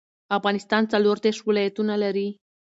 افغانستان څلور دیرش ولايتونه لري